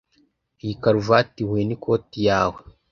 Iyi karuvati ihuye n'ikoti yawe.